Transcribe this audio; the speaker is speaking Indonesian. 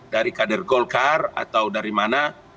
dari kader golkar atau dari mana